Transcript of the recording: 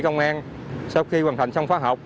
công an sau khi hoàn thành xong phá học